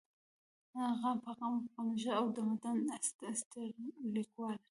د قام پۀ غم غمژن او درمند دا ستر ليکوال